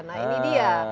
nah ini dia